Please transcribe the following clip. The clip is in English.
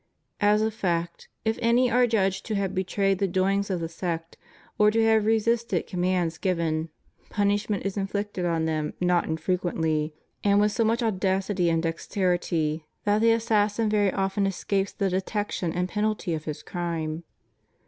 As a fact, if any are judged to have betrayed the doings of the sect or to have resisted commands given, punishment is in flicted on them not infrequently, and with so much audac ity and dexterity that the assassin very often escapes the detection and penalty of his crime.